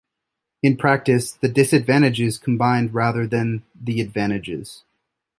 In practice, the disadvantages combined rather than the advantages.